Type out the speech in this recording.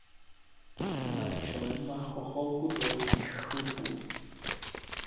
Nad čelem má chocholku dlouhých chlupů.